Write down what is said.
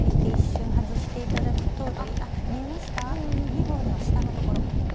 ２本の下のところ。